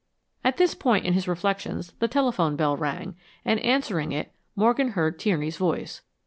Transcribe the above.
At this point in his reflections the telephone bell rang, and answering it, Morgan heard Tierney's voice.